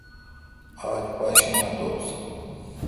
آج پاشیمہ دوس۔